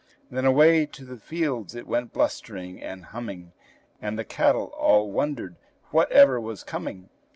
Then away to the fields it went blustering and humming, And the cattle all wondered whatever was coming.